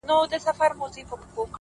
د زمان رحم ـ رحم نه دی؛ هیڅ مرحم نه دی _